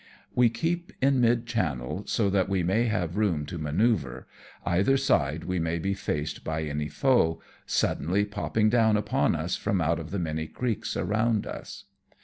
We keep in mid channel, so that we may have room 72 AMONG TYPHOONS AND PIRATE CRAFT. to manoeuvre^ either side we may be faced by any foe, suddenly popping down upon us from out of the many creeks around us.